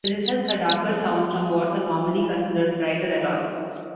The results are darker sounds from what are normally considered brighter alloys.